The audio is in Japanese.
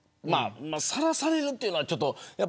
さらされるというのは。